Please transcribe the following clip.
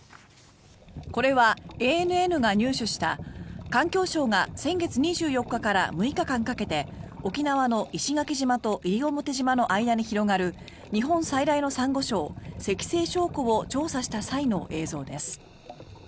これは、ＡＮＮが入手した環境省が先月２４日から６日間かけて沖縄の石垣島と西表島の間に広がる日本最大のサンゴ礁石西礁湖を調査した際の映像です。